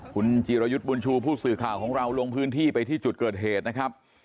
คุณจิรยุทธ์บุญชูผู้สื่อข่าวของเราลงพื้นที่ไปที่จุดเกิดเหตุนะครับ